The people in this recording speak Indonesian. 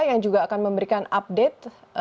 yang juga akan memberikan update